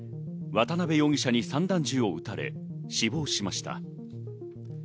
渡辺容疑者に散弾銃を撃たれ死亡しました。